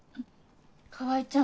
川合ちゃん